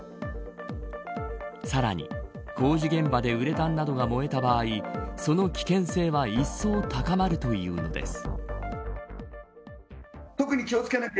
さらに、工事現場でウレタンなどが燃えた場合その危険性は一層高まるというのです。